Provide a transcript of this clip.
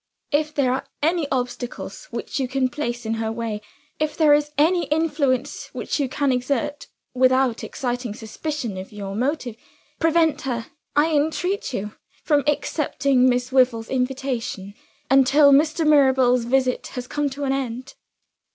If there are any obstacles which you can place in her way if there is any influence which you can exert, without exciting suspicion of your motive prevent her, I entreat you, from accepting Miss Wyvil's invitation, until Mr. Mirabel's visit has come to an end."